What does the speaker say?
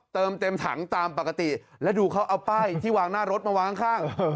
เติมเต็มถังตามปกติแล้วดูเขาเอาป้ายที่วางหน้ารถมาวางข้าง